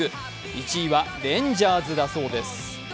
１位はレンジャーズだそうです。